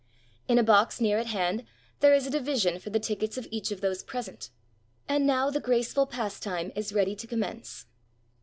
In a box near at hand there is a division for the tickets of each of those present; — and now the graceful pastime is ready to commence.